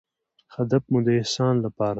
هدف مو د احسان لپاره